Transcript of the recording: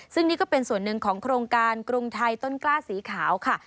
ซึ่งนี่ก็เป็นส่วนหนึ่งของโครงการกรุงไทยต้นกล้าสีขาวค่ะ